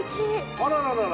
あらららら！